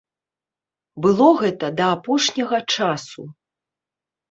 Было гэта да апошняга часу.